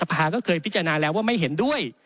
ภาก็เคยพิจารณาแล้วว่าไม่เห็นด้วย